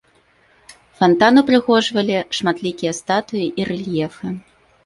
Фантан упрыгожвалі шматлікія статуі і рэльефы.